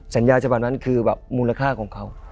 สัญญาฉบับนั้นคือแบบมูลค่าของเขา